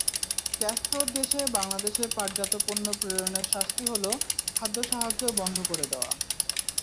কাস্ত্রোর দেশে বাংলাদেশের পাটজাত পণ্য প্রেরণের শাস্তি হলো খাদ্যসাহায্য বন্ধ করে দেওয়া।